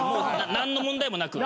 何の問題もなく。